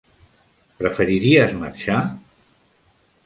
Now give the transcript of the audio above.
Preferiries marxar?